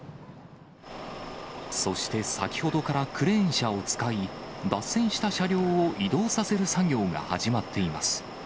そして、先ほどからクレーン車を使い、脱線した車両を移動させる作業が始まっています。